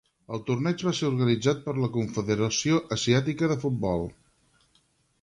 El torneig va ser organitzat per la Confederació Asiàtica de Futbol.